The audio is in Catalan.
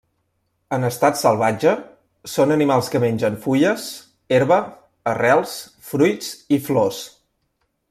En estat salvatge, són animals que mengen fulles, herba, arrels, fruits i flors.